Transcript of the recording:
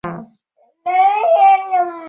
帕里尼莱沃。